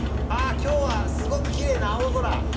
今日はすごくきれいな青空。